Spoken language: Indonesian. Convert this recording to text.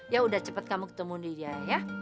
yaudah cepat kamu ketemu dia ya